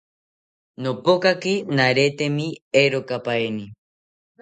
Nopokaki naretemi erokapaeni